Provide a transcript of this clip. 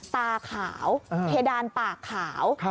ตาขาวเพดานปากขาว